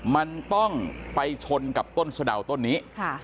มันต้องไปชนกับต้นสะดาวต้นนี้